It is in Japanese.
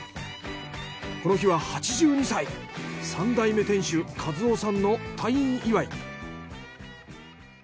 この日は８２歳３代目店主和生さんの退院祝い。